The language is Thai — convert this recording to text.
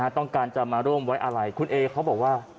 ต้องการจะมาร่วมไว้อะไรคุณเอเขาบอกว่า